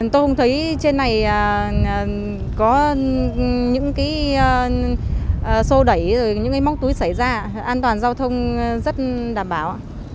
tôi không thấy trên này có những cái sô đẩy những cái móc túi xảy ra an toàn giao thông rất đảm bảo